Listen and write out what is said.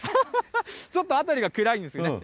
ちょっと辺りが暗いんですね。